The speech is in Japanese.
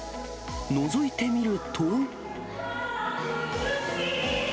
のぞいてみると。